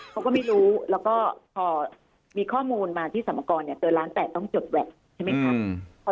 เขาก็ไม่รู้แล้วก็พอมีข้อมูลมาที่สรรพากรเกินล้าน๘ต้องจดแวคใช่ไหมคะ